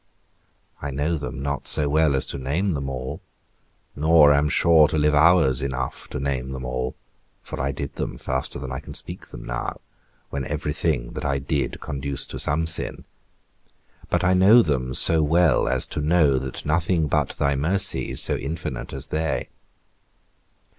I know them not so well as to name them all, nor am sure to live hours enough to name them all (for I did them then faster than I can speak them now, when every thing that I did conduced to some sin), but I know them so well as to know that nothing but thy mercy is so infinite as they.